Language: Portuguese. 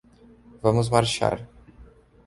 Vamos marchar